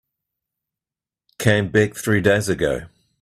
Came back three days ago.